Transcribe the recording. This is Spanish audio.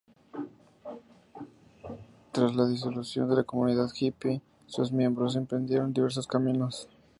Tras la disolución de la comunidad hippie, sus miembros emprendieron diversos caminos.